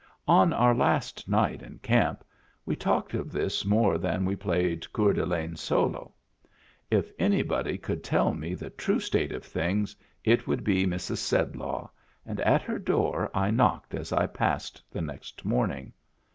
On our last night in camp we talked of this more than we played Coeur d'Alene Solo. If anybody could tell me the true state of things it would be Mrs. Sedlaw, and at her door I knocked as I passed the next morning.